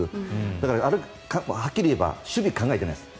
だから、はっきり言えば守備を考えていないです。